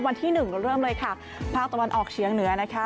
วันที่หนึ่งก็เริ่มเลยค่ะภาคตะวันออกเฉียงเหนือนะคะ